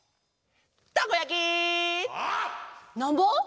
「たこやき」「なんぼ？」